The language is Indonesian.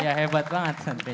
ya hebat banget santrinya